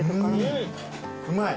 うまい？